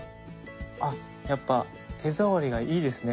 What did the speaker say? あっやっぱ手触りがいいですね。